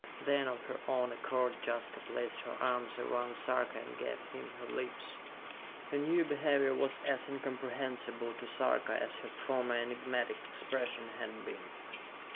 Then, of her own accord, Jaska placed her arms around Sarka, and gave him her lips. Her new behavior was as incomprehensible to Sarka as her former enigmatic expression had been.